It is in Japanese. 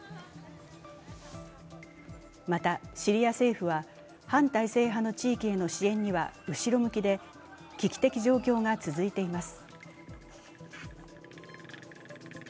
また、シリア政府は反体制派の地域への支援には後ろ向きで危機的状況が続いています。